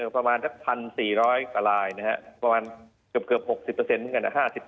ประมาณแค่พันสี่ร้อยประลายนะฮะประมาณเกือบเกือบหกสิบเปอร์เซ็นต์เหมือนกันนะ